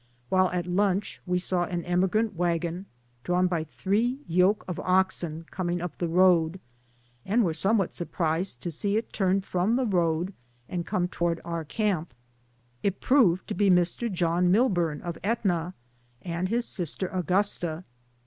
While at lunch we saw an emigrant wagon, drawn by three yoke of oxen, coming up the road, and were somewhat surprised to see it turn from the road and come toward our camp. It proved to be Mr. John Mil burn, of Etna, and his sister Augusta.